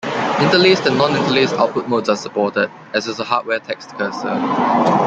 Interlaced and non-interlaced output modes are supported, as is a hardware text cursor.